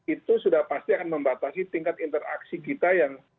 itu sudah pasti akan membatasi tingkat interaksi kita yang